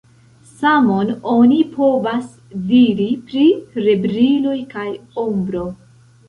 Samon oni povas diri pri rebriloj kaj ombro.